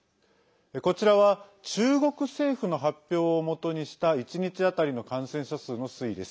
こちらは中国政府の発表をもとにした１日当たりの感染者数の推移です。